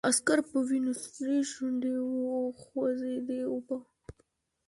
د عسکر په وينو سرې شونډې وخوځېدې: اوبه!